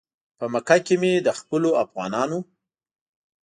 په مکه کې مې د خپلو افغانانو.